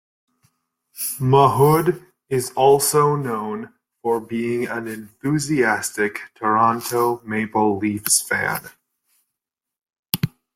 Mahood is also known for being an enthusiastic Toronto Maple Leafs fan.